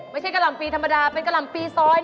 กะหล่ำปีธรรมดาเป็นกะหล่ำปีซอย